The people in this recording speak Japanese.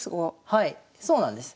はいそうなんです。